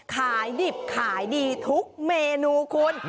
ขายดิบขายดีทุกเมนูคุณ